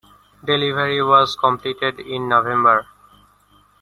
Delivery was completed in November.